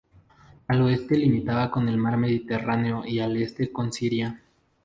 Al oeste limitaba con el mar Mediterráneo y al este con Siria.